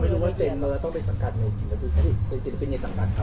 ถ้าไม่เซ็นหรือติดพวกมันก็ต้องเซ็นแต่เราไม่รู้ว่าเซ็นเราจะต้องไปสังการในวิทยาศิลปินเนียนสังการเขา